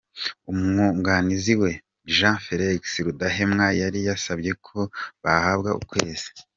Umwunganizi we, Me Jean Félix Rudakemwa yari yasabye ko bahabwa ukwezi.